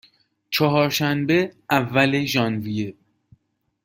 چهارشنبه، اول ژانویه